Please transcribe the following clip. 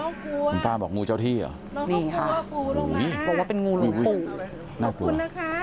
ลงไปปลาบอกงูเจ้าที่เหรอนี่ค่ะบอกว่าเป็นงูลงมาหน้ากลัว